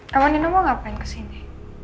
kau nilai mau ngapain kesini